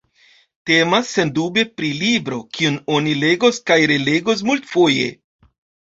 Temas sendube pri libro, kiun oni legos kaj relegos multfoje.